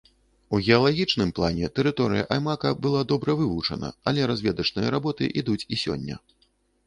У геалагічным плане тэрыторыя аймака была добра вывучана, але разведачныя работы ідуць і сёння.